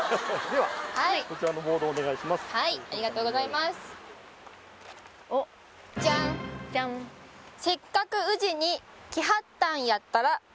でははいはいありがとうございますじゃんじゃん「せっかく宇治に来はったんやったら」